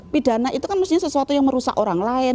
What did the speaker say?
pidana itu kan mestinya sesuatu yang merusak orang lain